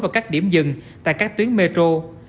và các điểm dừng tại các tuyến metro